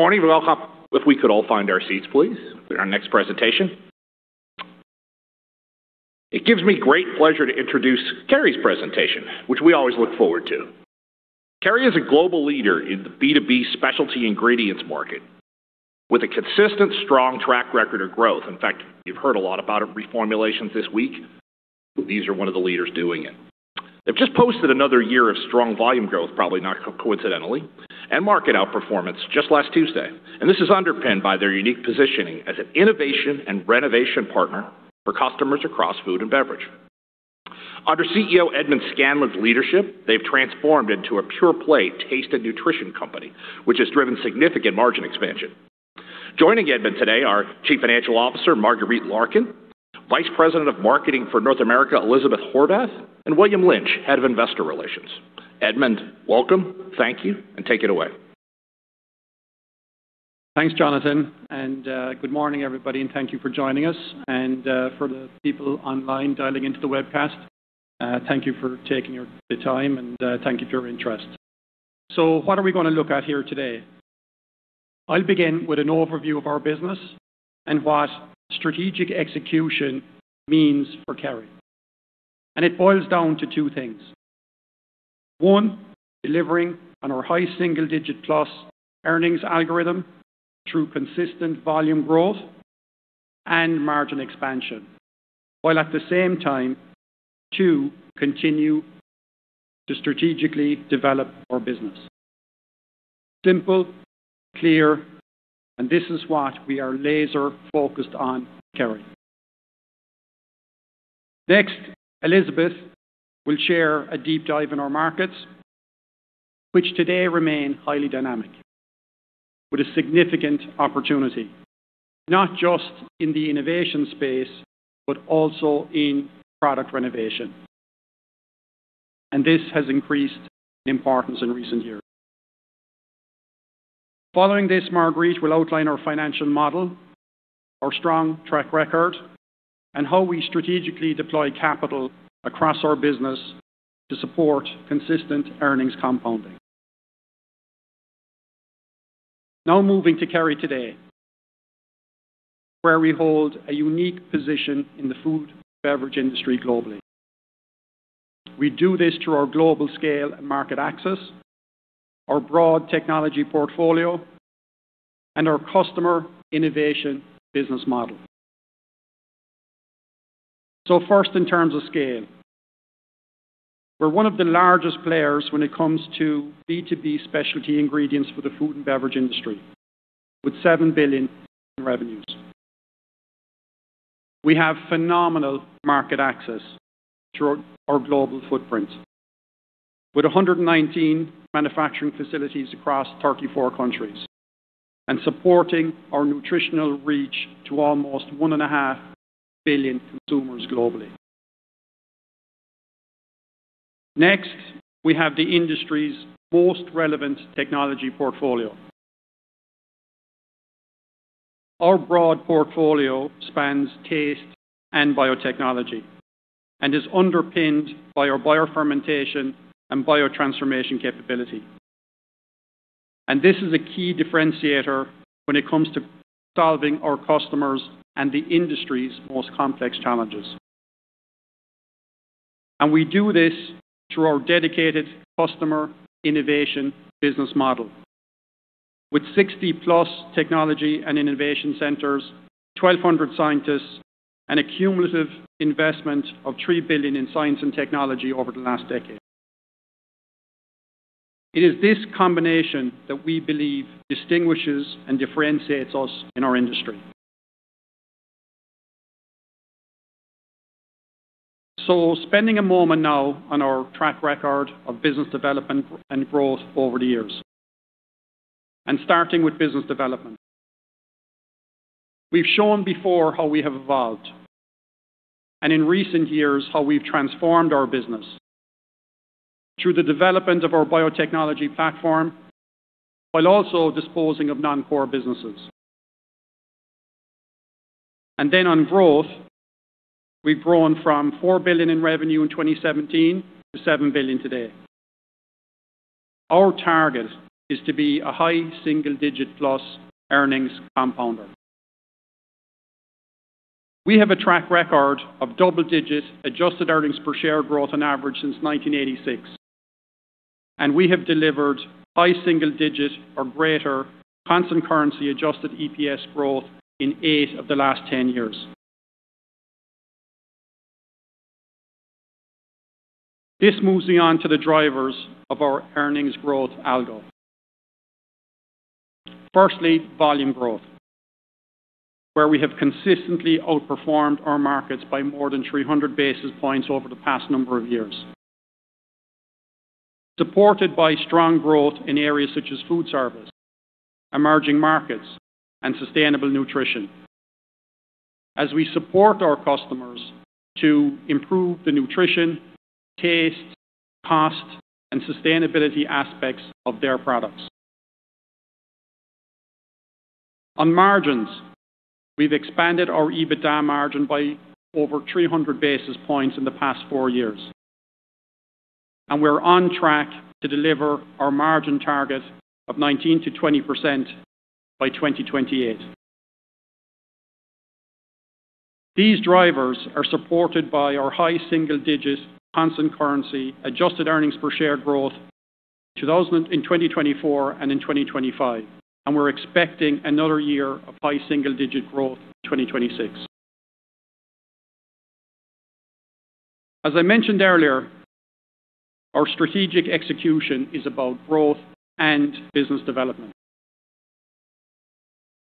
Good morning, welcome. If we could all find our seats, please, for our next presentation. It gives me great pleasure to introduce Kerry's presentation, which we always look forward to. Kerry is a global leader in the B2B specialty ingredients market, with a consistent, strong track record of growth. In fact, you've heard a lot about reformulations this week. These are one of the leaders doing it. They've just posted another year of strong volume growth, probably not coincidentally, and market outperformance just last Tuesday, and this is underpinned by their unique positioning as an innovation and renovation partner for customers across food and beverage. Under CEO Edmond Scanlon's leadership, they've transformed into a pure-play taste and nutrition company, which has driven significant margin expansion. Joining Edmond today are Chief Financial Officer Marguerite Larkin, Vice President of Marketing for North America, Elizabeth Horvath, and William Lynch, Head of Investor Relations. Edmond, welcome. Thank you, and take it away. Thanks, Jonathan, and good morning, everybody, and thank you for joining us and for the people online dialing into the webcast, thank you for taking your time, and thank you for your interest. So what are we gonna look at here today? I'll begin with an overview of our business and what strategic execution means for Kerry. It boils down to two things: One, delivering on our high single-digit plus earnings algorithm through consistent volume growth and margin expansion, while at the same time, two, continue to strategically develop our business. Simple, clear, and this is what we are laser-focused on at Kerry. Next, Elizabeth will share a deep dive in our markets, which today remain highly dynamic, with a significant opportunity, not just in the innovation space, but also in product renovation, and this has increased in importance in recent years. Following this, Marguerite will outline our financial model, our strong track record, and how we strategically deploy capital across our business to support consistent earnings compounding. Now, moving to Kerry today, where we hold a unique position in the food and beverage industry globally. We do this through our global scale and market access, our broad technology portfolio, and our customer innovation business model. First, in terms of scale, we're one of the largest players when it comes to B2B specialty ingredients for the food and beverage industry, with 7 billion in revenues. We have phenomenal market access through our global footprint, with 119 manufacturing facilities across 34 countries and supporting our nutritional reach to almost 1.5 billion consumers globally. Next, we have the industry's most relevant technology portfolio. Our broad portfolio spans taste and biotechnology and is underpinned by our biofermentation and biotransformation capability. This is a key differentiator when it comes to solving our customers' and the industry's most complex challenges. We do this through our dedicated customer innovation business model, with 60+ technology and innovation centers, 1,200 scientists, and a cumulative investment of 3 billion in science and technology over the last decade. It is this combination that we believe distinguishes and differentiates us in our industry. So spending a moment now on our track record of business development and growth over the years. Starting with business development. We've shown before how we have evolved, and in recent years, how we've transformed our business through the development of our biotechnology platform, while also disposing of non-core businesses. Then on growth, we've grown from 4 billion in revenue in 2017 to 7 billion today. Our target is to be a high single-digit+ earnings compounder. We have a track record of double-digit adjusted earnings per share growth on average since 1986, and we have delivered high single digit or greater constant currency adjusted EPS growth in eight of the last 10 years. This moves me on to the drivers of our earnings growth algo. Firstly, volume growth, where we have consistently outperformed our markets by more than 300 basis points over the past number of years, supported by strong growth in areas such as food service, emerging markets, and sustainable nutrition as we support our customers to improve the nutrition, taste, cost, and sustainability aspects of their products. On margins, we've expanded our EBITDA margin by over 300 basis points in the past four years... and we're on track to deliver our margin target of 19-20% by 2028. These drivers are supported by our high single-digit constant currency, adjusted earnings per share growth in 2024 and in 2025, and we're expecting another year of high single-digit growth in 2026. As I mentioned earlier, our strategic execution is about growth and business development.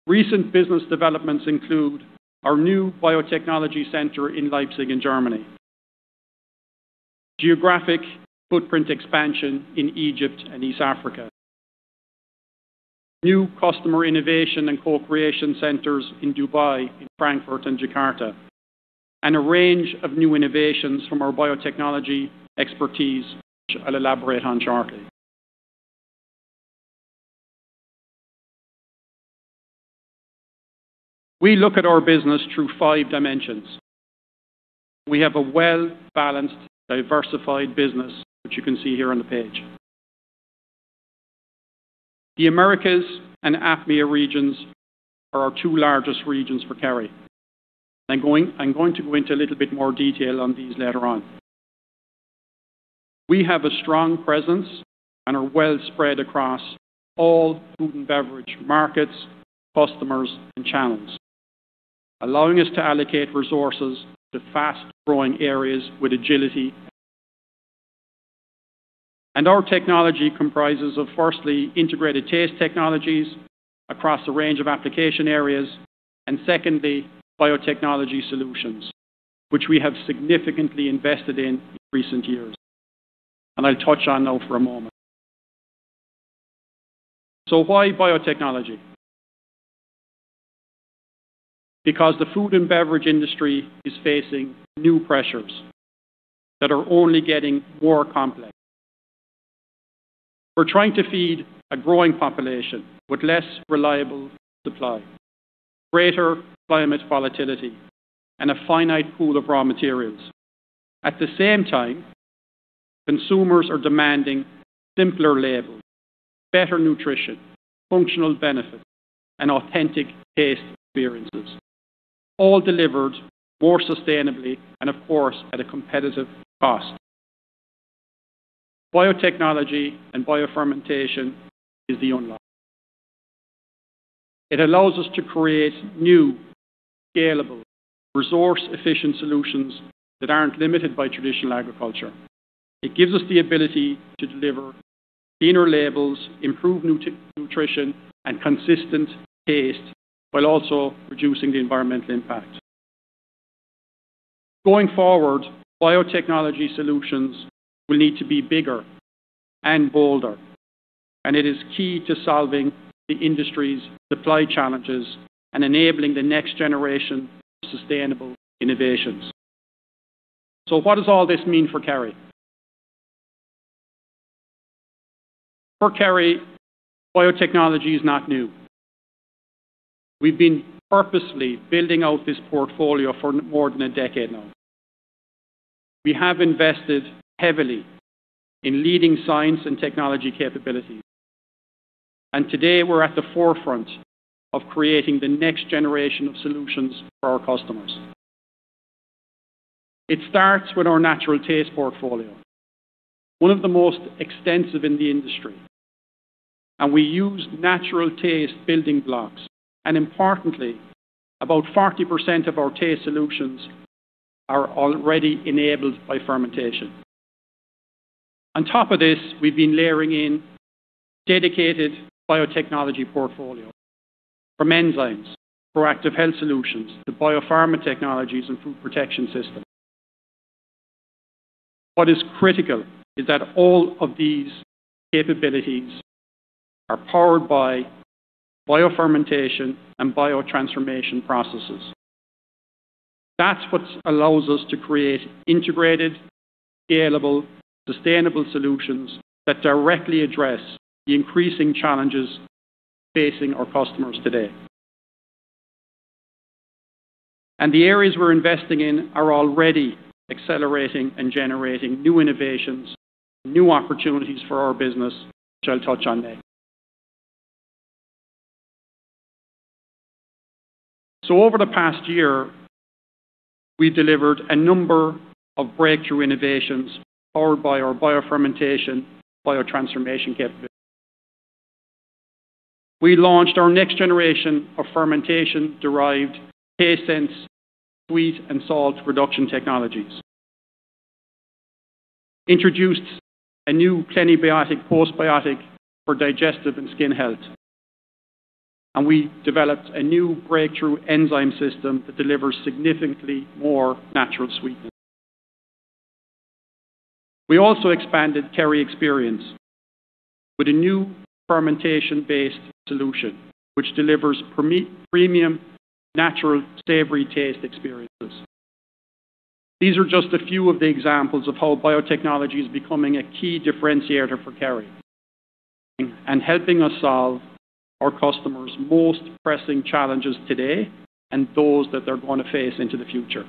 Recent business developments include our new biotechnology center in Leipzig, in Germany, geographic footprint expansion in Egypt and East Africa, new customer innovation and co-creation centers in Dubai, in Frankfurt, and Jakarta, and a range of new innovations from our biotechnology expertise, which I'll elaborate on shortly. We look at our business through five dimensions. We have a well-balanced, diversified business, which you can see here on the page. The Americas and APMEA regions are our two largest regions for Kerry. I'm going to go into a little bit more detail on these later on. We have a strong presence and are well spread across all food and beverage markets, customers, and channels, allowing us to allocate resources to fast-growing areas with agility. Our technology comprises of, firstly, integrated taste technologies across a range of application areas, and secondly, biotechnology solutions, which we have significantly invested in recent years. I'll touch on now for a moment. Why biotechnology? Because the food and beverage industry is facing new pressures that are only getting more complex. We're trying to feed a growing population with less reliable supply, greater climate volatility, and a finite pool of raw materials. At the same time, consumers are demanding simpler labels, better nutrition, functional benefits, and authentic taste experiences, all delivered more sustainably and, of course, at a competitive cost. Biotechnology and biofermentation is the unlock. It allows us to create new, scalable, resource-efficient solutions that aren't limited by traditional agriculture. It gives us the ability to deliver cleaner labels, improve nutrition, and consistent taste, while also reducing the environmental impact. Going forward, biotechnology solutions will need to be bigger and bolder, and it is key to solving the industry's supply challenges and enabling the next generation of sustainable innovations. So what does all this mean for Kerry? For Kerry, biotechnology is not new. We've been purposely building out this portfolio for more than a decade now. We have invested heavily in leading science and technology capabilities, and today we're at the forefront of creating the next generation of solutions for our customers. It starts with our natural taste portfolio, one of the most extensive in the industry, and we use natural taste building blocks. And importantly, about 40% of our taste solutions are already enabled by fermentation. On top of this, we've been layering in dedicated biotechnology portfolio, from enzymes for active health solutions to biopharma technologies and food protection systems. What is critical is that all of these capabilities are powered by biofermentation and biotransformation processes. That's what allows us to create integrated, scalable, sustainable solutions that directly address the increasing challenges facing our customers today. And the areas we're investing in are already accelerating and generating new innovations and new opportunities for our business, which I'll touch on next. So over the past year, we delivered a number of breakthrough innovations powered by our biofermentation, biotransformation capability. We launched our next generation of fermentation-derived TasteSense, sweet and salt reduction technologies, introduced a new prebiotic, postbiotic for digestive and skin health, and we developed a new breakthrough enzyme system that delivers significantly more natural sweetness. We also expanded Kerry expertise with a new fermentation-based solution, which delivers premium, natural, savory taste experiences. These are just a few of the examples of how biotechnology is becoming a key differentiator for Kerry... and helping us solve our customers' most pressing challenges today and those that they're going to face into the future.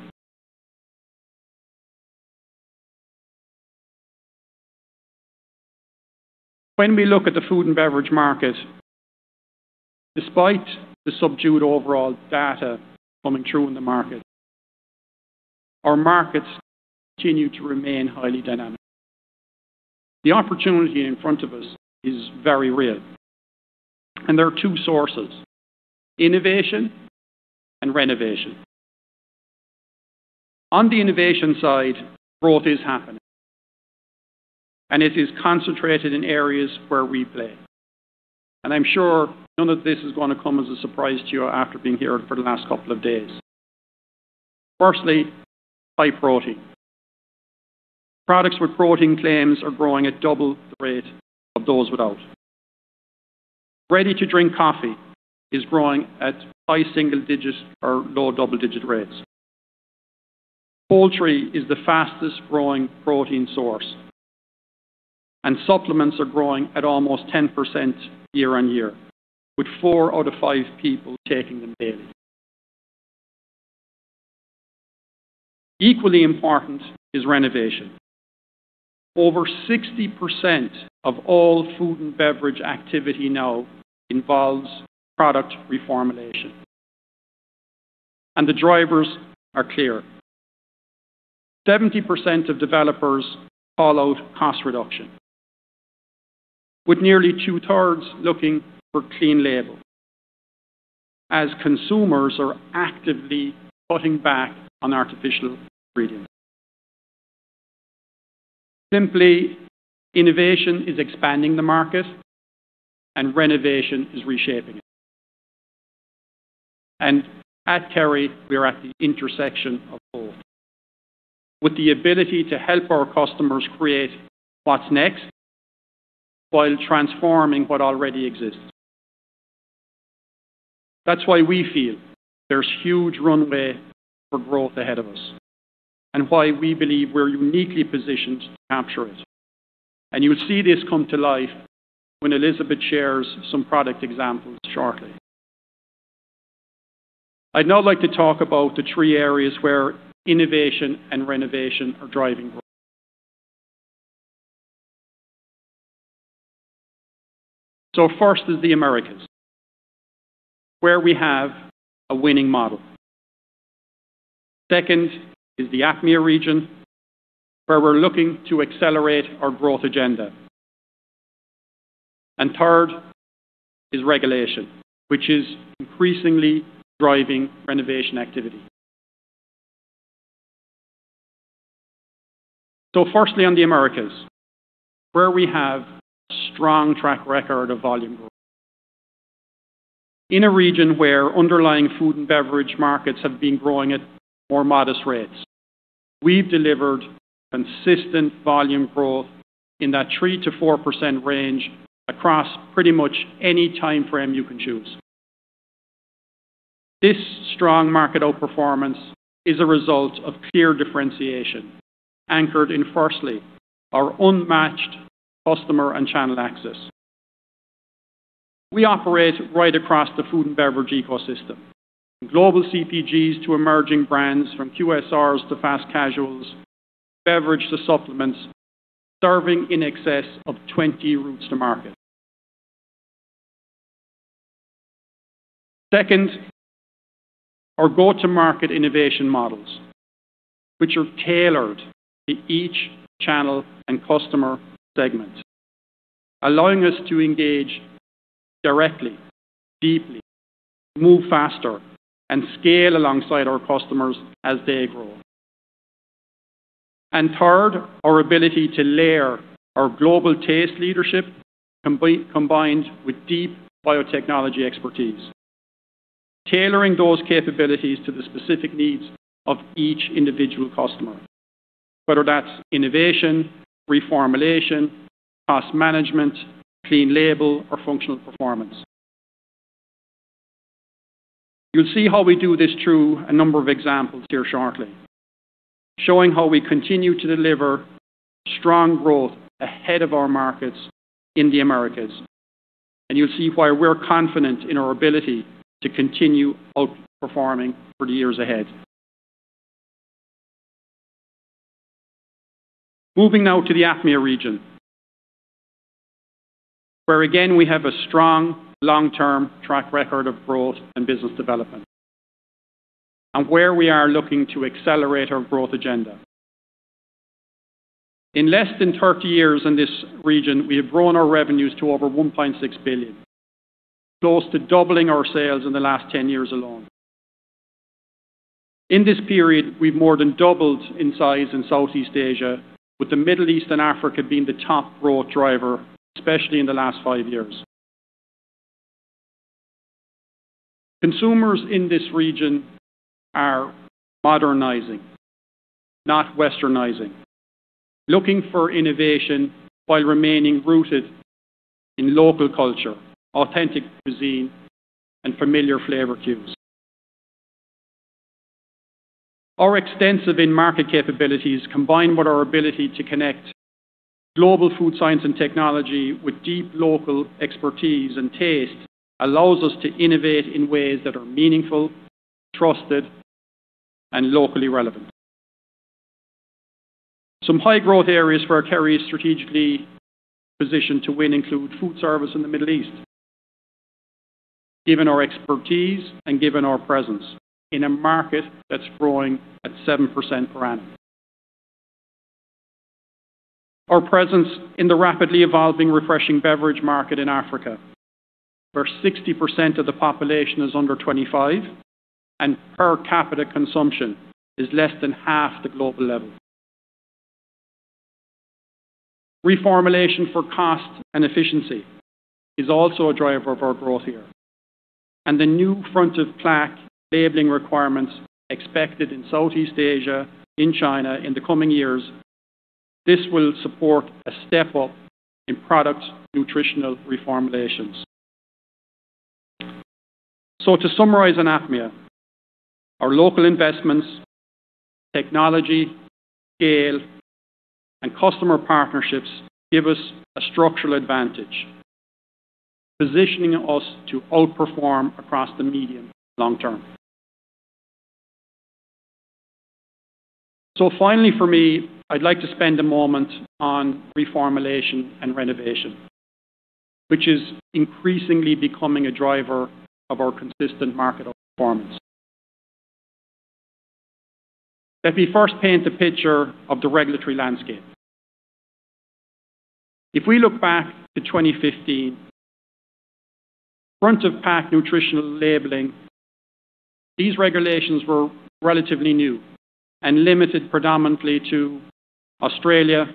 When we look at the food and beverage market, despite the subdued overall data coming through in the market, our markets continue to remain highly dynamic. The opportunity in front of us is very real, and there are two sources: innovation and renovation. On the innovation side, growth is happening, and it is concentrated in areas where we play. I'm sure none of this is going to come as a surprise to you after being here for the last couple of days. Firstly, high protein. Products with protein claims are growing at double the rate of those without. Ready-to-drink coffee is growing at high single digits or low double-digit rates. Poultry is the fastest-growing protein source, and supplements are growing at almost 10% year-over-year, with four out of five people taking them daily. Equally important is renovation. Over 60% of all food and beverage activity now involves product reformulation, and the drivers are clear. 70% of developers call out cost reduction, with nearly two-thirds looking for clean label as consumers are actively cutting back on artificial ingredients. Simply, innovation is expanding the market, and renovation is reshaping it. At Kerry, we are at the intersection of both, with the ability to help our customers create what's next while transforming what already exists. That's why we feel there's huge runway for growth ahead of us, and why we believe we're uniquely positioned to capture it. You'll see this come to life when Elizabeth shares some product examples shortly. I'd now like to talk about the three areas where innovation and renovation are driving growth. First is the Americas, where we have a winning model. Second is the APMEA region, where we're looking to accelerate our growth agenda. Third is regulation, which is increasingly driving renovation activity. So firstly, on the Americas, where we have a strong track record of volume growth. In a region where underlying food and beverage markets have been growing at more modest rates, we've delivered consistent volume growth in that 3-4% range across pretty much any timeframe you can choose. This strong market outperformance is a result of clear differentiation, anchored in, firstly, our unmatched customer and channel access. We operate right across the food and beverage ecosystem, from global CPGs to emerging brands, from QSRs to fast casuals, beverage to supplements, serving in excess of 20 routes to market. Second, our go-to-market innovation models, which are tailored to each channel and customer segment, allowing us to engage directly, deeply, move faster, and scale alongside our customers as they grow. And third, our ability to layer our global taste leadership, combined with deep biotechnology expertise, tailoring those capabilities to the specific needs of each individual customer, whether that's innovation, reformulation, cost management, clean label, or functional performance. You'll see how we do this through a number of examples here shortly, showing how we continue to deliver strong growth ahead of our markets in the Americas, and you'll see why we're confident in our ability to continue outperforming for the years ahead. Moving now to the APMEA region, where, again, we have a strong long-term track record of growth and business development, and where we are looking to accelerate our growth agenda. In less than 30 years in this region, we have grown our revenues to over 1.6 billion, close to doubling our sales in the last 10 years alone. In this period, we've more than doubled in size in Southeast Asia, with the Middle East and Africa being the top growth driver, especially in the last five years. Consumers in this region are modernizing, not Westernizing, looking for innovation while remaining rooted in local culture, authentic cuisine, and familiar flavor cues. Our extensive in-market capabilities, combined with our ability to connect global food science and technology with deep local expertise and taste, allows us to innovate in ways that are meaningful, trusted, and locally relevant. Some high-growth areas where Kerry is strategically positioned to win include food service in the Middle East, given our expertise and given our presence in a market that's growing at 7% per annum. Our presence in the rapidly evolving refreshing beverage market in Africa, where 60% of the population is under 25 and per capita consumption is less than half the global level. Reformulation for cost and efficiency is also a driver of our growth here, and the new front-of-pack labeling requirements expected in Southeast Asia, in China in the coming years, this will support a step up in product nutritional reformulations. So to summarize in APMEA, our local investments, technology, scale, and customer partnerships give us a structural advantage, positioning us to outperform across the medium long term. So finally, for me, I'd like to spend a moment on reformulation and renovation, which is increasingly becoming a driver of our consistent market outperformance. Let me first paint a picture of the regulatory landscape. If we look back to 2015, front-of-pack nutritional labeling, these regulations were relatively new and limited predominantly to Australia,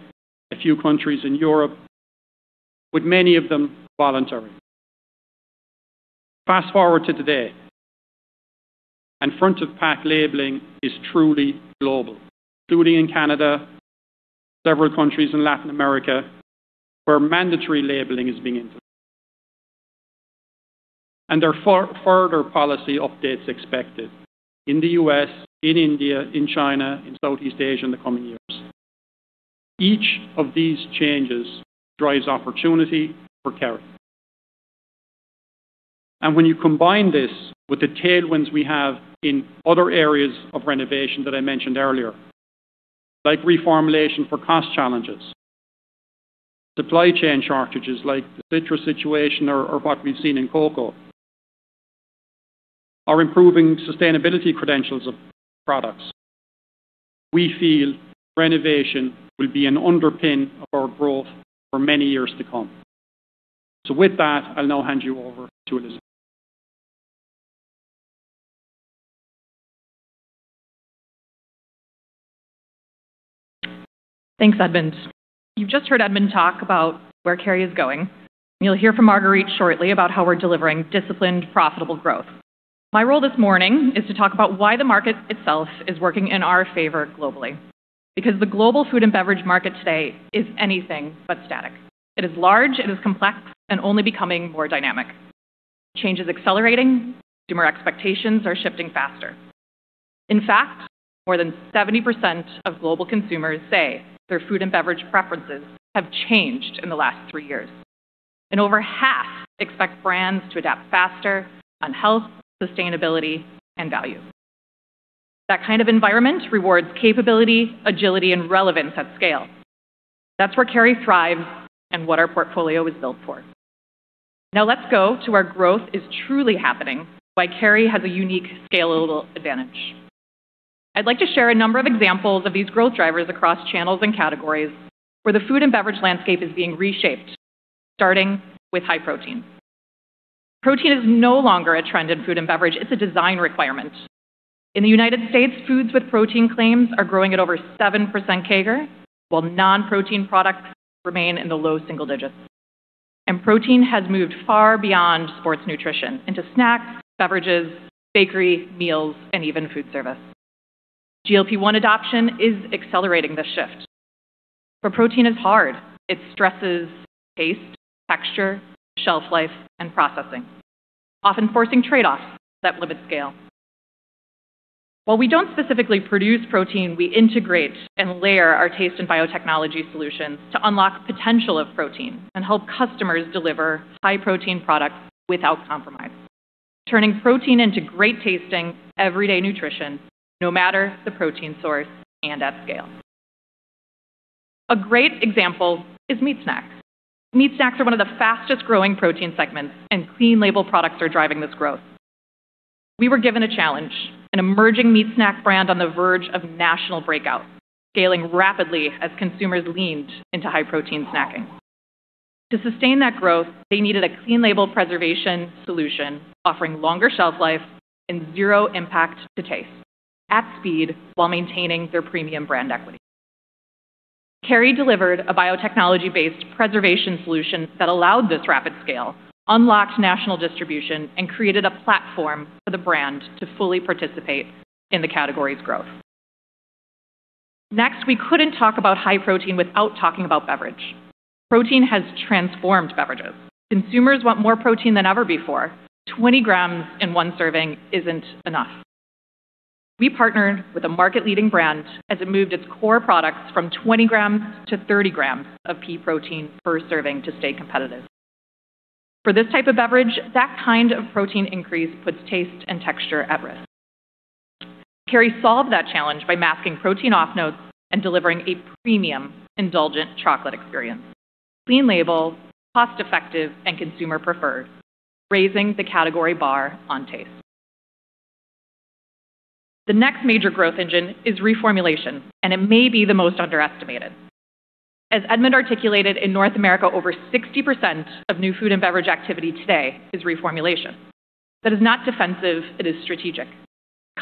a few countries in Europe, with many of them voluntary. Fast-forward to today, and front-of-pack labeling is truly global, including in Canada, several countries in Latin America, where mandatory labeling is being implemented. There are further policy updates expected in the U.S., in India, in China, in Southeast Asia in the coming years. Each of these changes drives opportunity for Kerry. When you combine this with the tailwinds we have in other areas of renovation that I mentioned earlier, like reformulation for cost challenges, supply chain shortages like the citrus situation or what we've seen in cocoa, or improving sustainability credentials of products, we feel renovation will be an underpin of our growth for many years to come. With that, I'll now hand you over to Elizabeth. Thanks, Edmond. You've just heard Edmond talk about where Kerry is going. You'll hear from Marguerite shortly about how we're delivering disciplined, profitable growth. My role this morning is to talk about why the market itself is working in our favor globally, because the global food and beverage market today is anything but static. It is large, it is complex, and only becoming more dynamic. Change is accelerating. Consumer expectations are shifting faster. In fact, more than 70% of global consumers say their food and beverage preferences have changed in the last three years, and over half expect brands to adapt faster on health, sustainability, and value. That kind of environment rewards capability, agility, and relevance at scale. That's where Kerry thrives and what our portfolio is built for. Now let's go to where growth is truly happening, why Kerry has a unique scalable advantage. I'd like to share a number of examples of these growth drivers across channels and categories where the food and beverage landscape is being reshaped, starting with high protein. Protein is no longer a trend in food and beverage. It's a design requirement. In the United States, foods with protein claims are growing at over 7% CAGR, while non-protein products remain in the low single digits. Protein has moved far beyond sports nutrition into snacks, beverages, bakery, meals, and even food service. GLP-1 adoption is accelerating this shift, but protein is hard. It stresses taste, texture, shelf life, and processing, often forcing trade-offs that limit scale. While we don't specifically produce protein, we integrate and layer our taste and biotechnology solutions to unlock potential of protein and help customers deliver high-protein products without compromise, turning protein into great-tasting, everyday nutrition, no matter the protein source and at scale. A great example is meat snacks. Meat snacks are one of the fastest-growing protein segments, and clean label products are driving this growth. We were given a challenge, an emerging meat snack brand on the verge of national breakout, scaling rapidly as consumers leaned into high-protein snacking. To sustain that growth, they needed a clean label preservation solution, offering longer shelf life and zero impact to taste at speed while maintaining their premium brand equity. Kerry delivered a biotechnology-based preservation solution that allowed this rapid scale, unlocked national distribution, and created a platform for the brand to fully participate in the category's growth.... Next, we couldn't talk about high protein without talking about beverage. Protein has transformed beverages. Consumers want more protein than ever before. 20 grams in one serving isn't enough. We partnered with a market-leading brand as it moved its core products from 20 grams - 30 grams of pea protein per serving to stay competitive. For this type of beverage, that kind of protein increase puts taste and texture at risk. Kerry solved that challenge by masking protein off-notes and delivering a premium, indulgent chocolate experience. Clean label, cost-effective, and consumer-preferred, raising the category bar on taste. The next major growth engine is reformulation, and it may be the most underestimated. As Edmond articulated, in North America, over 60% of new food and beverage activity today is reformulation. That is not defensive, it is strategic.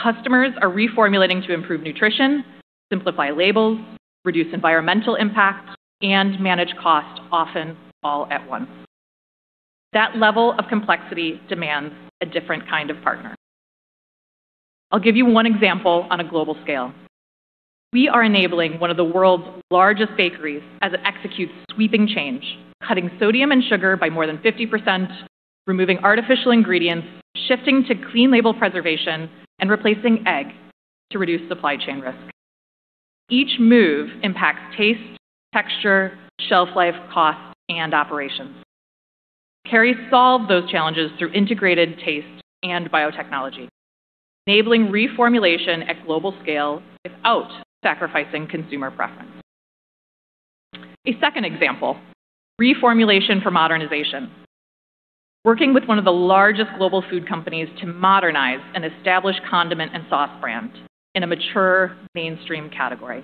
Customers are reformulating to improve nutrition, simplify labels, reduce environmental impact, and manage costs, often all at once. That level of complexity demands a different kind of partner. I'll give you one example on a global scale. We are enabling one of the world's largest bakeries as it executes sweeping change, cutting sodium and sugar by more than 50%, removing artificial ingredients, shifting to clean label preservation, and replacing egg to reduce supply chain risk. Each move impacts taste, texture, shelf life, cost, and operations. Kerry solved those challenges through integrated taste and biotechnology, enabling reformulation at global scale without sacrificing consumer preference. A second example, reformulation for modernization. Working with one of the largest global food companies to modernize an established condiment and sauce brand in a mature mainstream category.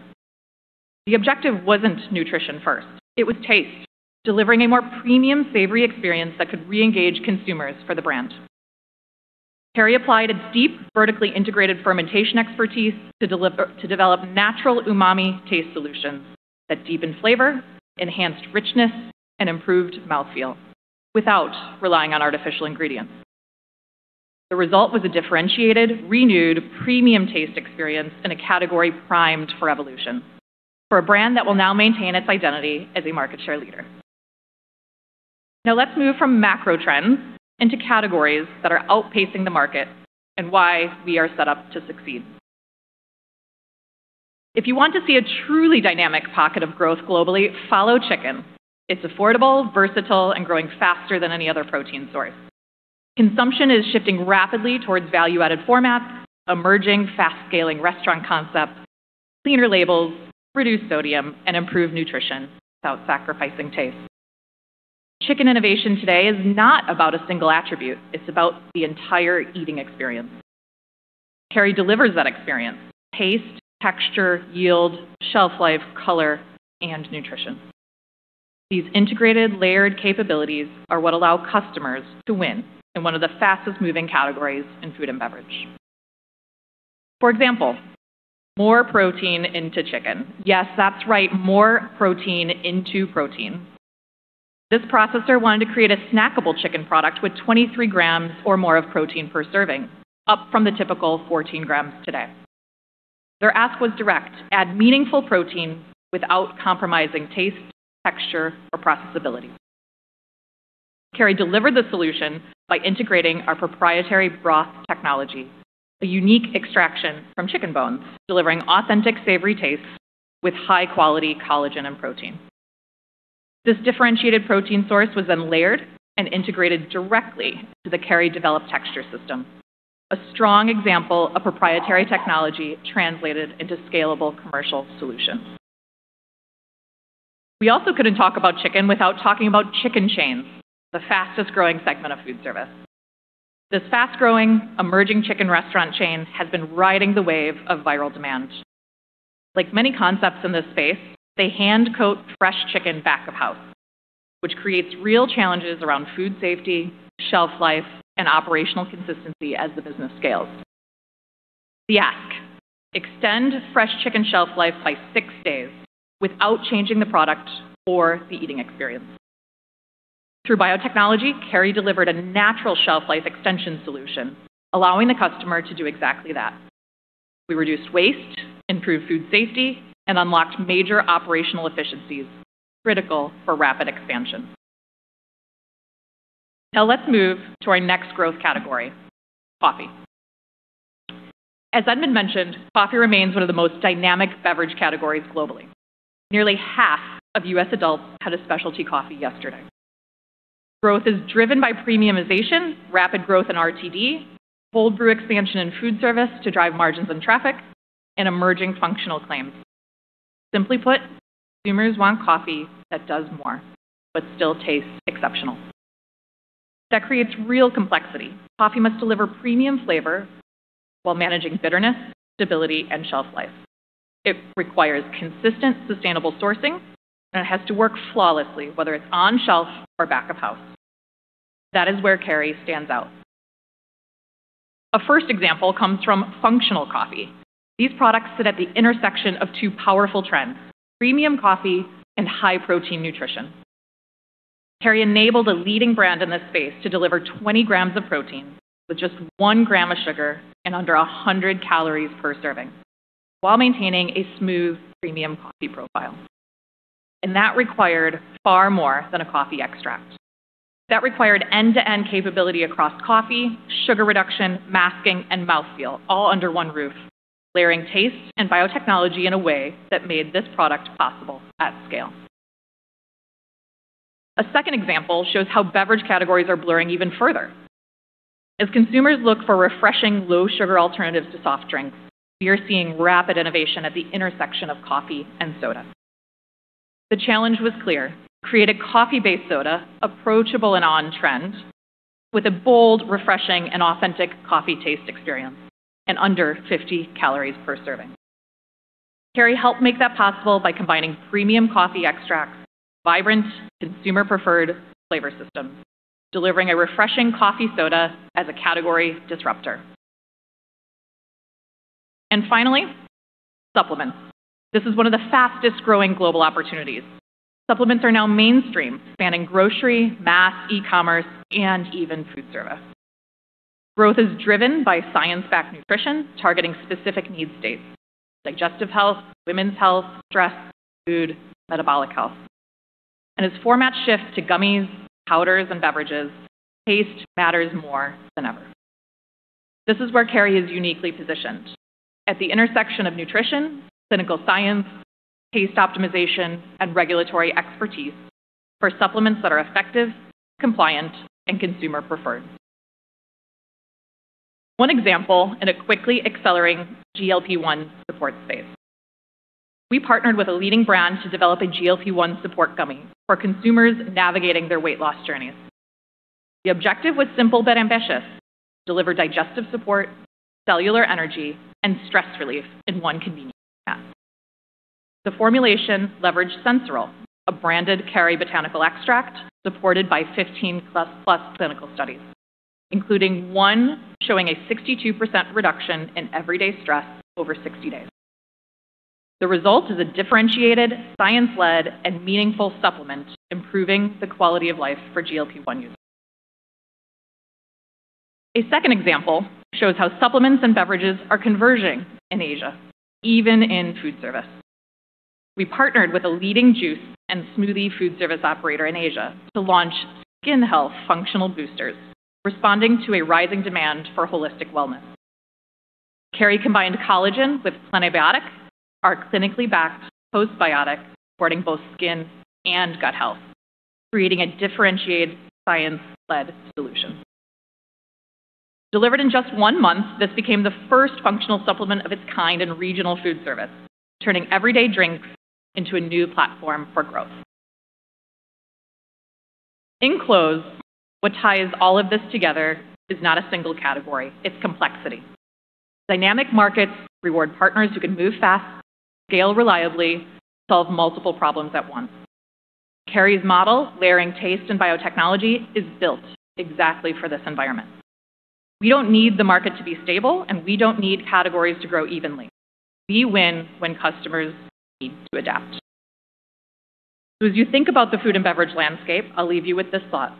The objective wasn't nutrition first, it was taste, delivering a more premium, savory experience that could re-engage consumers for the brand. Kerry applied its deep, vertically integrated fermentation expertise to develop natural umami taste solutions that deepened flavor, enhanced richness, and improved mouthfeel without relying on artificial ingredients. The result was a differentiated, renewed, premium taste experience in a category primed for evolution, for a brand that will now maintain its identity as a market share leader. Now, let's move from macro trends into categories that are outpacing the market and why we are set up to succeed. If you want to see a truly dynamic pocket of growth globally, follow chicken. It's affordable, versatile, and growing faster than any other protein source. Consumption is shifting rapidly towards value-added formats, emerging fast-scaling restaurant concepts, cleaner labels, reduced sodium, and improved nutrition without sacrificing taste. Chicken innovation today is not about a single attribute. It's about the entire eating experience. Kerry delivers that experience: taste, texture, yield, shelf life, color, and nutrition. These integrated, layered capabilities are what allow customers to win in one of the fastest-moving categories in food and beverage. For example, more protein into chicken. Yes, that's right, more protein into protein. This processor wanted to create a snackable chicken product with 23 grams or more of protein per serving, up from the typical 14 grams today. Their ask was direct: add meaningful protein without compromising taste, texture, or processability. Kerry delivered the solution by integrating our proprietary broth technology, a unique extraction from chicken bones, delivering authentic savory tastes with high-quality collagen and protein. This differentiated protein source was then layered and integrated directly to the Kerry-developed texture system, a strong example of proprietary technology translated into scalable commercial solutions. We also couldn't talk about chicken without talking about chicken chains, the fastest-growing segment of food service. This fast-growing, emerging chicken restaurant chains has been riding the wave of viral demand. Like many concepts in this space, they hand-coat fresh chicken back of house, which creates real challenges around food safety, shelf life, and operational consistency as the business scales. The ask: extend fresh chicken shelf life by six days without changing the product or the eating experience. Through biotechnology, Kerry delivered a natural shelf life extension solution, allowing the customer to do exactly that. We reduced waste, improved food safety, and unlocked major operational efficiencies, critical for rapid expansion. Now, let's move to our next growth category, coffee. As Edmond mentioned, coffee remains one of the most dynamic beverage categories globally. Nearly half of U.S. adults had a specialty coffee yesterday. Growth is driven by premiumization, rapid growth in RTD, cold brew expansion in food service to drive margins and traffic, and emerging functional claims. Simply put, consumers want coffee that does more but still tastes exceptional. That creates real complexity. Coffee must deliver premium flavor while managing bitterness, stability, and shelf life. It requires consistent, sustainable sourcing, and it has to work flawlessly, whether it's on shelf or back of house. That is where Kerry stands out. A first example comes from functional coffee. These products sit at the intersection of two powerful trends: premium coffee and high-protein nutrition.... Kerry enabled a leading brand in this space to deliver 20 grams of protein with just 1 gram of sugar and under 100 calories per serving, while maintaining a smooth, premium coffee profile. And that required far more than a coffee extract. That required end-to-end capability across coffee, sugar reduction, masking, and mouthfeel, all under one roof, layering taste and biotechnology in a way that made this product possible at scale. A second example shows how beverage categories are blurring even further. As consumers look for refreshing, low-sugar alternatives to soft drinks, we are seeing rapid innovation at the intersection of coffee and soda. The challenge was clear: create a coffee-based soda, approachable and on-trend, with a bold, refreshing, and authentic coffee taste experience and under 50 calories per serving. Kerry helped make that possible by combining premium coffee extracts, vibrant, consumer-preferred flavor systems, delivering a refreshing coffee soda as a category disruptor. And finally, supplements. This is one of the fastest-growing global opportunities. Supplements are now mainstream, spanning grocery, mass, e-commerce, and even food service. Growth is driven by science-backed nutrition, targeting specific need states, digestive health, women's health, stress, food, metabolic health. And as format shifts to gummies, powders, and beverages, taste matters more than ever. This is where Kerry is uniquely positioned: at the intersection of nutrition, clinical science, taste optimization, and regulatory expertise for supplements that are effective, compliant, and consumer-preferred. One example in a quickly accelerating GLP-1 support space. We partnered with a leading brand to develop a GLP-1 support gummy for consumers navigating their weight loss journeys. The objective was simple but ambitious: deliver digestive support, cellular energy, and stress relief in one convenient path. The formulation leveraged Sensoril®, a branded Kerry botanical extract supported by 15+ clinical studies, including one showing a 62% reduction in everyday stress over 60 days. The result is a differentiated, science-led, and meaningful supplement, improving the quality of life for GLP-1 users. A second example shows how supplements and beverages are converging in Asia, even in food service. We partnered with a leading juice and smoothie food service operator in Asia to launch skin health functional boosters, responding to a rising demand for holistic wellness. Kerry combined collagen with Plenibiotic, our clinically backed postbiotic, supporting both skin and gut health, creating a differentiated, science-led solution. Delivered in just one month, this became the first functional supplement of its kind in regional food service, turning everyday drinks into a new platform for growth. In closing, what ties all of this together is not a single category, it's complexity. Dynamic markets reward partners who can move fast, scale reliably, solve multiple problems at once. Kerry's model, layering taste and biotechnology, is built exactly for this environment. We don't need the market to be stable, and we don't need categories to grow evenly. We win when customers need to adapt. As you think about the food and beverage landscape, I'll leave you with this thought: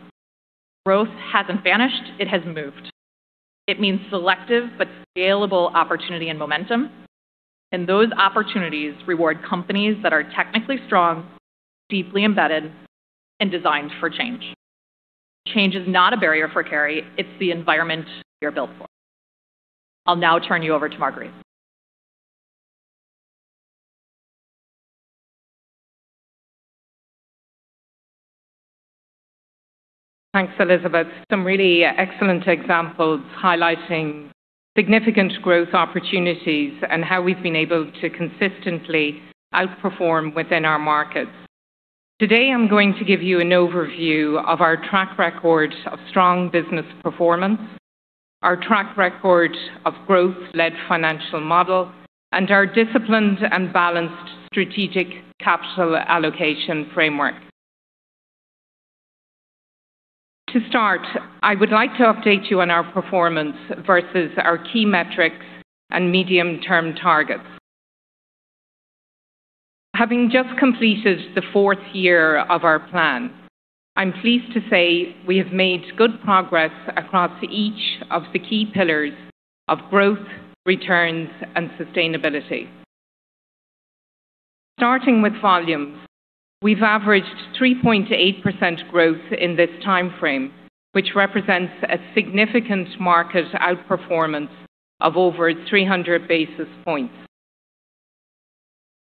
Growth hasn't vanished, it has moved. It means selective but scalable opportunity and momentum, and those opportunities reward companies that are technically strong, deeply embedded, and designed for change. Change is not a barrier for Kerry. It's the environment we are built for. I'll now turn you over to Marguerite. Thanks, Elizabeth. Some really excellent examples highlighting significant growth opportunities and how we've been able to consistently outperform within our markets. Today, I'm going to give you an overview of our track record of strong business performance, our track record of growth-led financial model, and our disciplined and balanced strategic capital allocation framework. To start, I would like to update you on our performance versus our key metrics and medium-term targets. Having just completed the fourth year of our plan, I'm pleased to say we have made good progress across each of the key pillars of growth, returns, and sustainability. Starting with volume, we've averaged 3.8% growth in this time frame, which represents a significant market outperformance of over 300 basis points.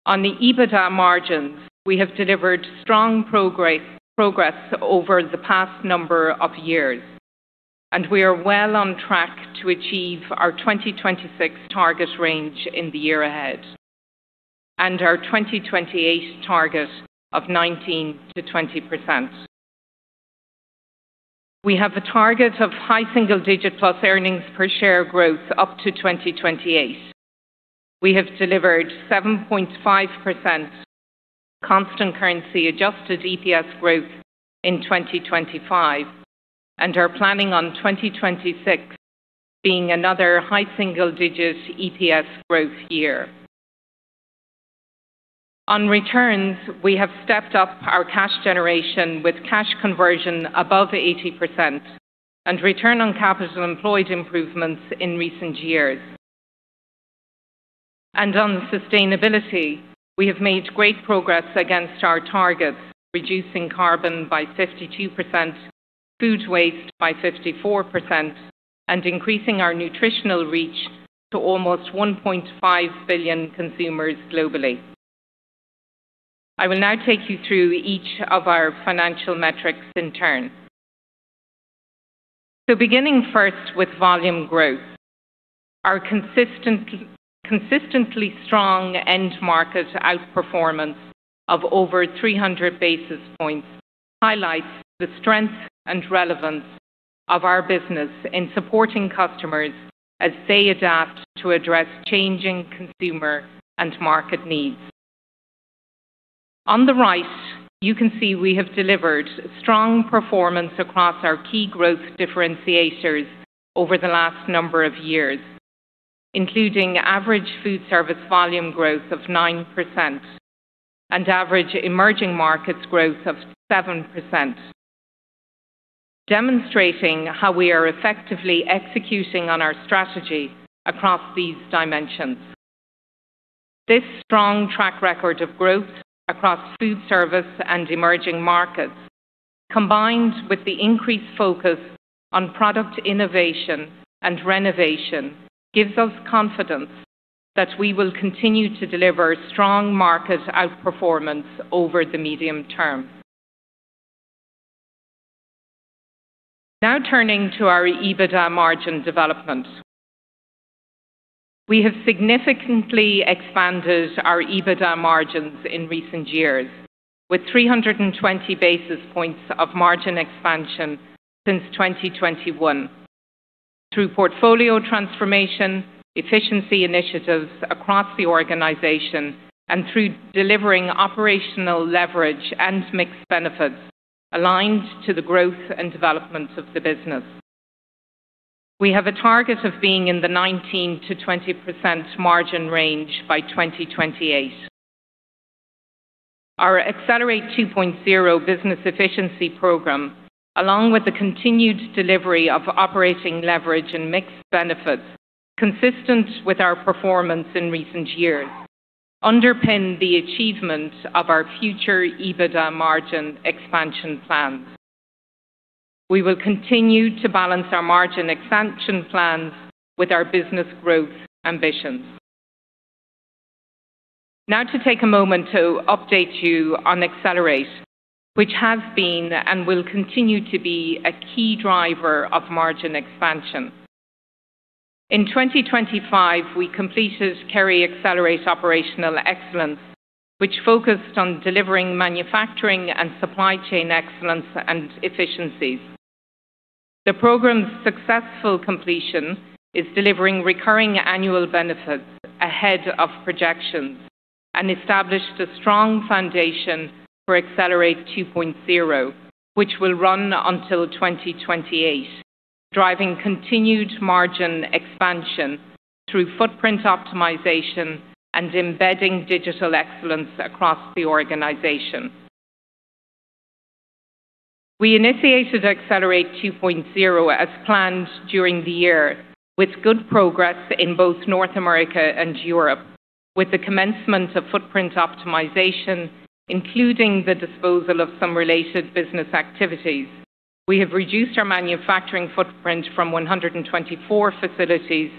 On the EBITDA margins, we have delivered strong progress over the past number of years, and we are well on track to achieve our 2026 target range in the year ahead and our 2028 target of 19-20%. We have a target of high single-digit+ earnings per share growth up to 2028. We have delivered 7.5% constant currency adjusted EPS growth in 2025 and are planning on 2026 being another high single-digit EPS growth year. On returns, we have stepped up our cash generation with cash conversion above 80% and return on capital employed improvements in recent years. On sustainability, we have made great progress against our targets, reducing carbon by 52%, food waste by 54%, and increasing our nutritional reach to almost 1.5 billion consumers globally. I will now take you through each of our financial metrics in turn. Beginning first with volume growth. Our consistently strong end market outperformance of over 300 basis points highlights the strength and relevance of our business in supporting customers as they adapt to address changing consumer and market needs. On the right, you can see we have delivered strong performance across our key growth differentiators over the last number of years, including average food service volume growth of 9% and average emerging markets growth of 7%, demonstrating how we are effectively executing on our strategy across these dimensions. This strong track record of growth across food service and emerging markets, combined with the increased focus on product innovation and renovation, gives us confidence that we will continue to deliver strong market outperformance over the medium term. Now turning to our EBITDA margin development. We have significantly expanded our EBITDA margins in recent years, with 320 basis points of margin expansion since 2021, through portfolio transformation, efficiency initiatives across the organization, and through delivering operational leverage and mixed benefits aligned to the growth and development of the business. We have a target of being in the 19-20% margin range by 2028. Our Accelerate 2.0 business efficiency program, along with the continued delivery of operating leverage and mixed benefits consistent with our performance in recent years, underpin the achievement of our future EBITDA margin expansion plans. We will continue to balance our margin expansion plans with our business growth ambitions. Now to take a moment to update you on Accelerate, which has been and will continue to be a key driver of margin expansion. In 2025, we completed Kerry Accelerate Operational Excellence, which focused on delivering manufacturing and supply chain excellence and efficiencies. The program's successful completion is delivering recurring annual benefits ahead of projections and established a strong foundation for Accelerate 2.0, which will run until 2028, driving continued margin expansion through footprint optimization and embedding digital excellence across the organization. We initiated Accelerate 2.0 as planned during the year, with good progress in both North America and Europe. With the commencement of footprint optimization, including the disposal of some related business activities, we have reduced our manufacturing footprint from 124 facilities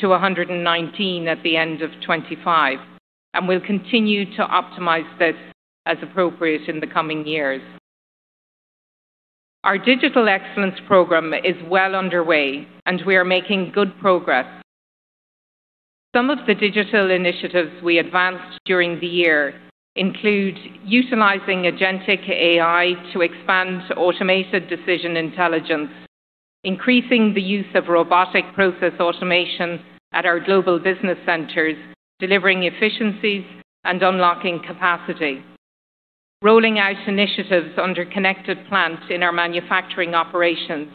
to 119 at the end of 2025, and we'll continue to optimize this as appropriate in the coming years. Our digital excellence program is well underway, and we are making good progress. Some of the digital initiatives we advanced during the year include utilizing agentic AI to expand automated decision intelligence, increasing the use of robotic process automation at our global business centers, delivering efficiencies and unlocking capacity. Rolling out initiatives under Connected Plant in our manufacturing operations,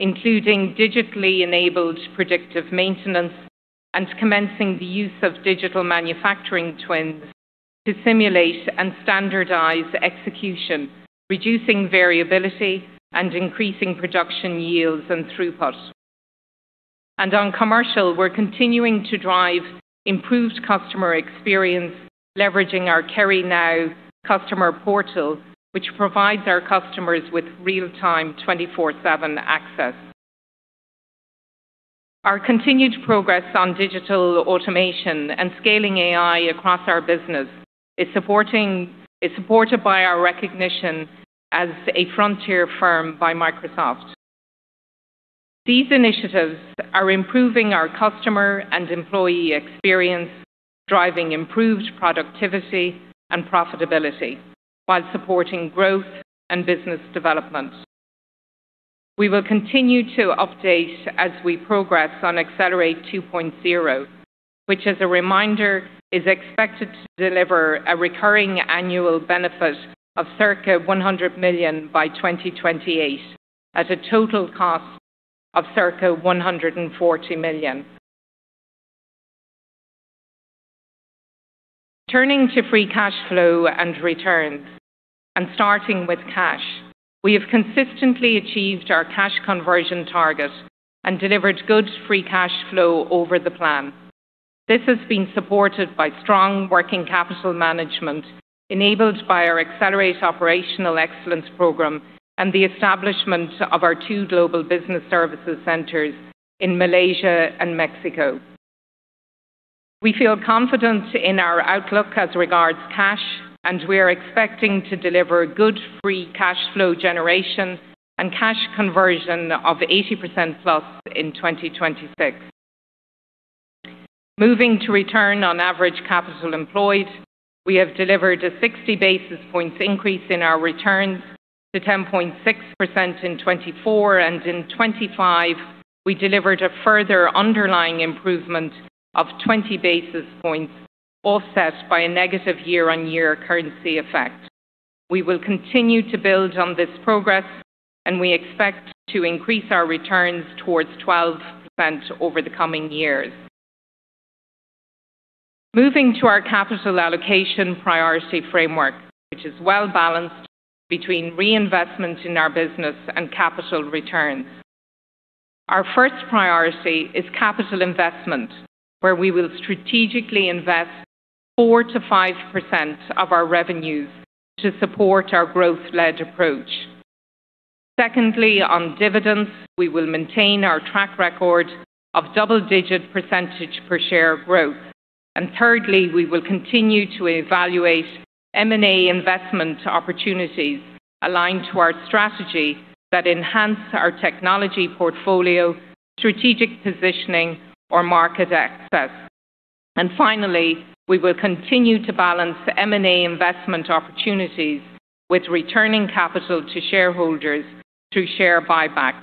including digitally enabled predictive maintenance and commencing the use of digital manufacturing twins to simulate and standardize execution, reducing variability and increasing production yields and throughput. On commercial, we're continuing to drive improved customer experience, leveraging our KerryNow customer portal, which provides our customers with real-time 24/7 access. Our continued progress on digital automation and scaling AI across our business is supported by our recognition as a frontier firm by Microsoft. These initiatives are improving our customer and employee experience, driving improved productivity and profitability while supporting growth and business development. We will continue to update as we progress on Accelerate 2.0, which, as a reminder, is expected to deliver a recurring annual benefit of circa 100 million by 2028 at a total cost of circa 140 million. Turning to free cash flow and returns, and starting with cash, we have consistently achieved our cash conversion target and delivered good free cash flow over the plan. This has been supported by strong working capital management, enabled by our Accelerate Operational Excellence program and the establishment of our two global business services centers in Malaysia and Mexico. We feel confident in our outlook as regards cash, and we are expecting to deliver good free cash flow generation and cash conversion of 80%+ in 2026. Moving to return on average capital employed, we have delivered a 60 basis points increase in our returns to 10.6% in 2024, and in 2025, we delivered a further underlying improvement of 20 basis points, offset by a negative year-on-year currency effect. We will continue to build on this progress, and we expect to increase our returns towards 12% over the coming years. Moving to our capital allocation priority framework, which is well balanced between reinvestment in our business and capital returns. Our first priority is capital investment, where we will strategically invest 4%-5% of our revenues to support our growth-led approach. Secondly, on dividends, we will maintain our track record of double-digit percentage per share growth. And thirdly, we will continue to evaluate M&A investment opportunities aligned to our strategy that enhance our technology portfolio, strategic positioning, or market access. Finally, we will continue to balance the M&A investment opportunities with returning capital to shareholders through share buybacks.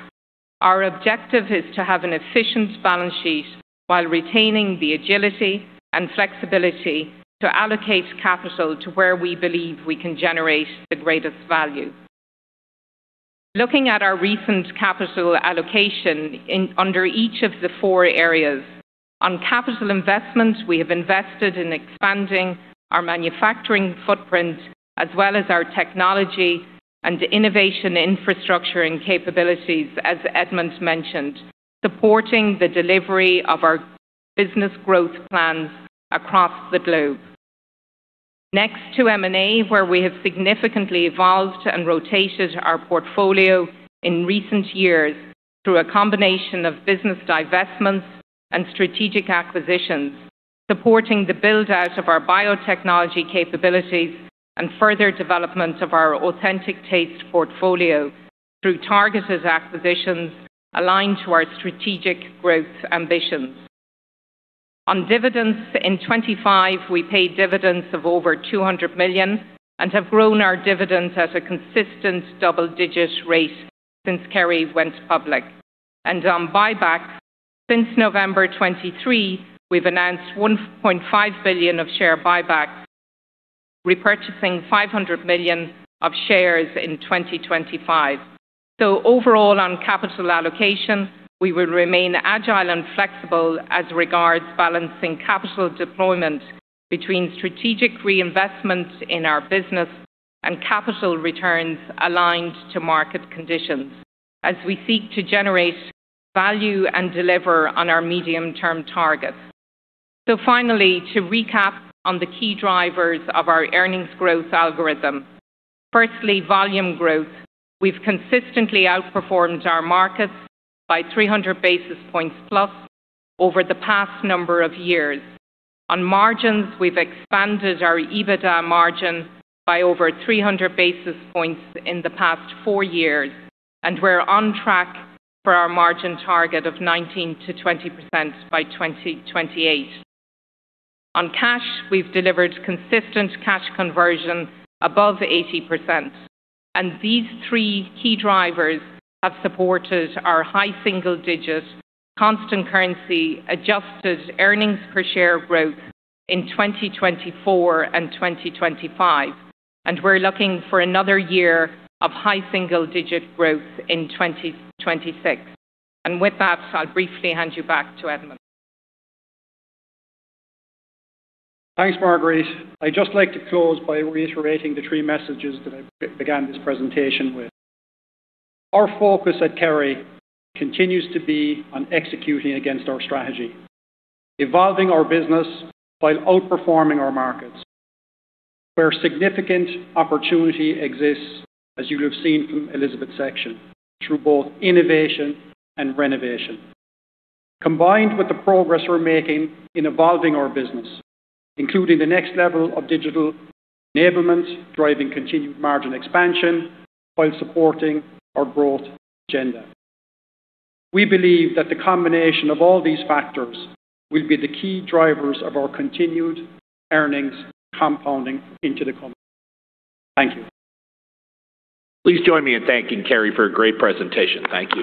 Our objective is to have an efficient balance sheet while retaining the agility and flexibility to allocate capital to where we believe we can generate the greatest value. Looking at our recent capital allocation and under each of the four areas. On capital investment, we have invested in expanding our manufacturing footprint, as well as our technology and innovation infrastructure and capabilities, as Edmond mentioned, supporting the delivery of our business growth plans across the globe. Next to M&A, where we have significantly evolved and rotated our portfolio in recent years through a combination of business divestments and strategic acquisitions, supporting the build-out of our biotechnology capabilities and further development of our authentic taste portfolio through targeted acquisitions aligned to our strategic growth ambitions. On dividends, in 2025, we paid dividends of over 200 million and have grown our dividends at a consistent double-digit rate since Kerry went public. And on buyback, since November 2023, we've announced 1.5 billion of share buyback, repurchasing 500 million of shares in 2025. So overall, on capital allocation, we will remain agile and flexible as regards balancing capital deployment between strategic reinvestment in our business and capital returns aligned to market conditions as we seek to generate value and deliver on our medium-term targets. So finally, to recap on the key drivers of our earnings growth algorithm. Firstly, volume growth. We've consistently outperformed our markets by 300 basis points+ over the past number of years. On margins, we've expanded our EBITDA margin by over 300 basis points in the past four years, and we're on track for our margin target of 19-20% by 2028. On cash, we've delivered consistent cash conversion above 80%, and these three key drivers have supported our high single-digit constant currency adjusted earnings per share growth in 2024 and 2025. And we're looking for another year of high single-digit growth in 2026. And with that, I'll briefly hand you back to Edmond. Thanks, Marguerite. I'd just like to close by reiterating the three messages that I began this presentation with. Our focus at Kerry continues to be on executing against our strategy, evolving our business while outperforming our markets, where significant opportunity exists, as you have seen from Elizabeth's section, through both innovation and renovation. Combined with the progress we're making in evolving our business, including the next level of digital enablement, driving continued margin expansion while supporting our growth agenda. We believe that the combination of all these factors will be the key drivers of our continued earnings compounding into the coming. Thank you. Please join me in thanking Kerry for a great presentation. Thank you.